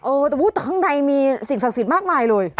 ข้างในมีสิ่งศักดิ์สิทธิ์มากมายเลย